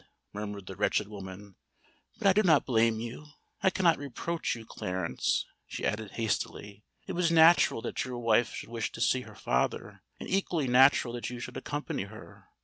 murmured the wretched woman. "But I do not blame you—I cannot reproach you, Clarence," she added hastily. "It was natural that your wife should wish to see her father—and equally natural that you should accompany her.